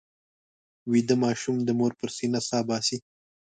ویده ماشوم د مور پر سینه سا باسي